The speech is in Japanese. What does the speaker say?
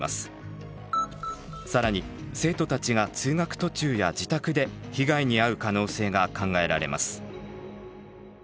更に生徒たちが通学途中や自宅で被害に遭う可能性が考えられます。